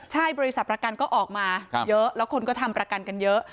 ใช่บริษัทประกันก็ออกมาเยอะแล้วคนก็ทำประกันกันเยอะ